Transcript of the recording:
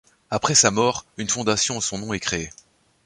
Après sa mort, une fondation en son nom est créée.